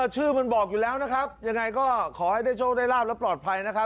ชื่อมันบอกอยู่แล้วนะครับยังไงก็ขอให้ได้โชคได้ลาบและปลอดภัยนะครับ